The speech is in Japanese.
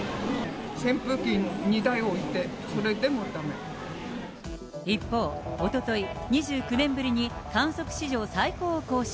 扇風機２台置いて、一方、おととい、２９年ぶりに観測史上最高を更新。